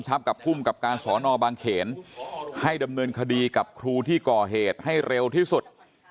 จะกลัวมาก็จะหลงคดีกับครูที่ก่อเหตุให้เร็วที่สุด